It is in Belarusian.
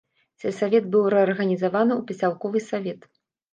Сельсавет быў рэарганізаваны ў пасялковы савет.